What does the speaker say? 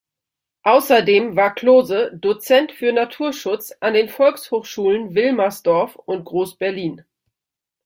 Außerdem war Klose Dozent für Naturschutz an den Volkshochschulen Wilmersdorf und Groß-Berlin.